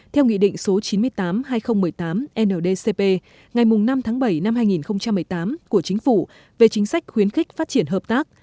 theo nghị định số chín mươi tám hai nghìn một mươi tám ndcp ngày năm tháng bảy năm hai nghìn một mươi tám của chính phủ về chính sách khuyến khích phát triển hợp tác